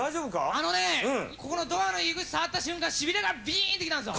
あのね、ここのドアの入り口触った瞬間、しびれが、びーって来たんですよ。